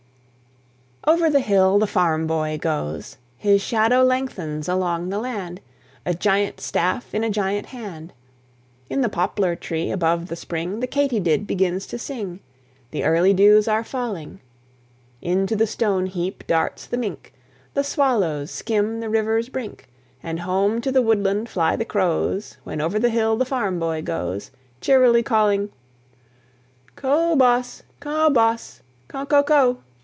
Over the hill the farm boy goes, His shadow lengthens along the land, A giant staff in a giant hand; In the poplar tree, above the spring, The katydid begins to sing; The early dews are falling; Into the stone heap darts the mink; The swallows skim the river's brink; And home to the woodland fly the crows, When over the hill the farm boy goes, Cheerily calling, "Co', boss! co', boss! co'! co'! co'!"